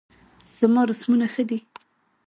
زما رسمونه ښه دي